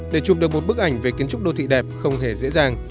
để chụp được một bức ảnh về kiến trúc đô thị đẹp không hề dễ dàng